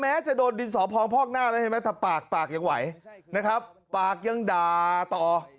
แม้จะโดนดินสอพองพอกหน้าแล้วใช่ไหมแต่ปากยังไหวปากยังดาต่อ